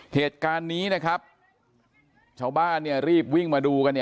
เหตุการณ์นี้นะครับเช้าบ้านเนี้ยรีบวิ่งมาดูกันเนี้ย